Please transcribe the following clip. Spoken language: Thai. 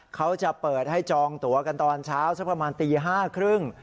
เขาจะเปิดให้จองตัวกันตอนเช้าสักประมาณตี๕๓๐